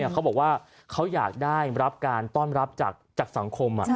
เขาบอกว่าเขาอยากได้รับการต้อนรับจากสังคม